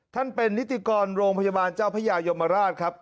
ท่านเป็นนิติกรโรงพยาบาลเจ้าพระยายมราชครับ